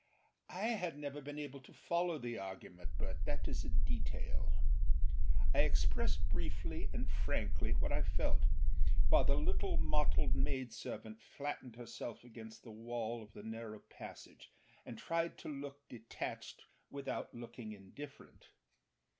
I had never been able to follow the argument, but that is a detail. I expressed briefly and frankly what I felt, while the little mottled maidservant flattened herself against the wall of the narrow passage and tried to look detached without looking indifferent.